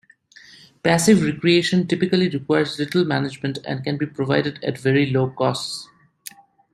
Passive recreation typically requires little management and can be provided at very low costs.